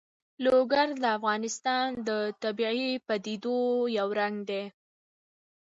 لوگر د افغانستان د طبیعي پدیدو یو رنګ دی.